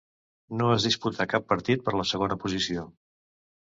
No es disputà cap partit per la segona posició.